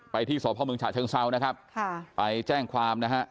ที่สพเมืองฉะเชิงเซานะครับค่ะไปแจ้งความนะฮะ